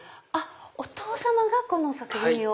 お父さまがこの作品を。